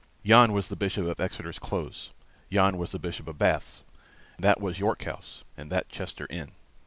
Yon was the Bishop of Exeter's Close; yon was the Bishop of Bath's; that was York House; and that Chester Inn.